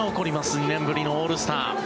２年ぶりのオールスター。